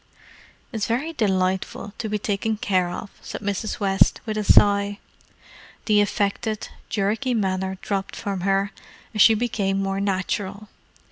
"It's very delightful to be taken care of," said Mrs. West, with a sigh. The affected, jerky manner dropped from her, and she became more natural.